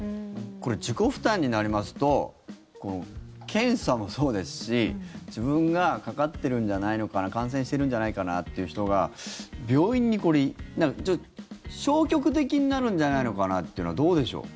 自己負担になりますと検査もそうですし自分がかかってるんじゃないのかな感染してるんじゃないのかなって人が、病院に消極的になるんじゃないのかなっていうのはどうでしょう。